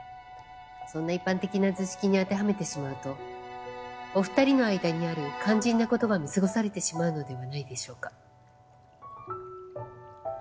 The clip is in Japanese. そんな一般的な図式に当てはめてしまうとお二人の間にある肝心なことが見過ごされてしまうのではないでしょうか。